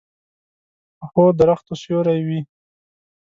پخو درختو سیوری وي